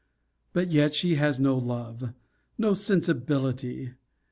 But yet she has no love no sensibility!